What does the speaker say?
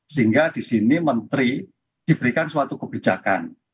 sehingga di sini menteri diberikan suatu kebijakan